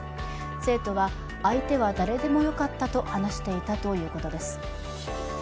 生徒は相手は誰でも良かったと話していたということです。